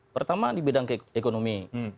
pertama di bidang ekonomi